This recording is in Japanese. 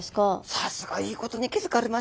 さすがいいことに気付かれました。